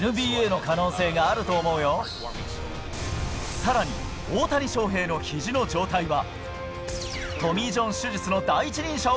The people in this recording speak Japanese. さらに大谷翔平の肘の状態は。